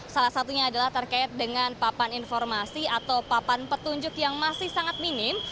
salah satunya adalah terkait dengan papan informasi atau papan petunjuk yang masih sangat minim